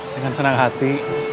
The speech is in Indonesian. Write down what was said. dengan senang hati